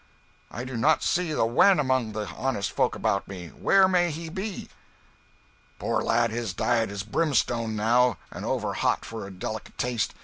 "I do not see the Wen among the honest folk about me. Where may he be?" "Poor lad, his diet is brimstone, now, and over hot for a delicate taste.